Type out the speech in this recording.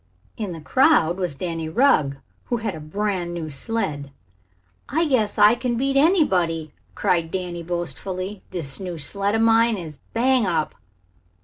In the crowd was Danny Rugg, who had a brand new sled. "I guess I can beat anybody!" cried Danny boastfully. "This new sled of mine is bang up."